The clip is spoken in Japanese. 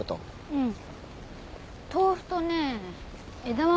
うん。